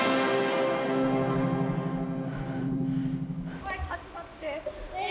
はい、集まって。